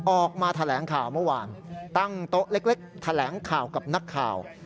ออกมาแถลงข่าวเมื่อวานตั้งโต๊ะเล็กแถลงข่าวกับนักข่าว